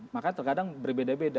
makanya terkadang berbeda beda